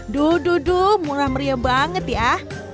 duh duh duh murah meriah banget ya